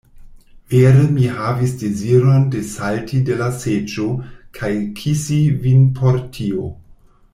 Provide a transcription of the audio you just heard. Vere mi havis deziron desalti de la seĝo kaj kisi vin por tio!